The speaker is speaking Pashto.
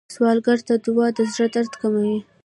سوالګر ته دعا د زړه درد کموي